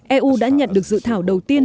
eu đã nhận được dự thảo đầu tiên